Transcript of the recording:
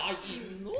のう。